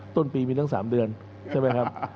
ต้นปีมีทั้งสามเดือนใช่มั้ยครับ